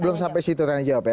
belum sampai situ tanya jawab ya